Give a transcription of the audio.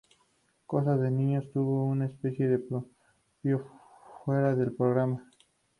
Cosas de Niños tuvo un especial propio fuera del programa.